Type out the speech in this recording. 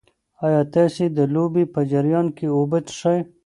ایا تاسي د لوبې په جریان کې اوبه څښئ؟